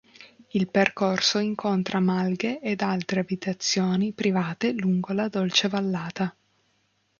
Il percorso incontra malghe ed altre abitazioni private lungo la dolce vallata.